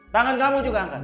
tangan kamu juga angkat